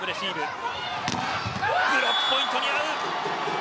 ブロックポイントに合う。